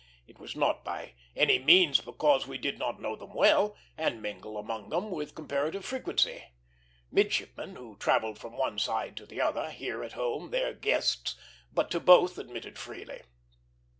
It was not by any means because we did not know them well, and mingle among them with comparative frequency. Midshipmen, we travelled from one side to the other; here at home, there guests, but to both admitted freely.